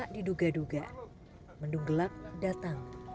tak diduga duga mendung gelap datang